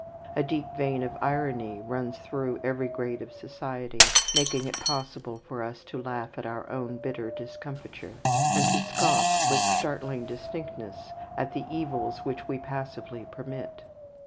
A deep vein of irony runs through every grade of society, making it possible for us to laugh at our own bitter discomfiture, and to scoff with startling distinctness at the evils which we passively permit.